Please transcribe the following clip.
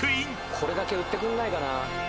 これだけ売ってくんないかな。